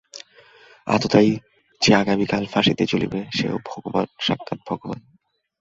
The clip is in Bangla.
আততায়ী, যে আগামীকাল ফাঁসিতে ঝুলিবে, সেও ভগবান্, সাক্ষাৎ ভগবান্।